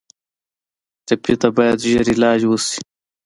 ټپي ته باید ژر علاج وشي.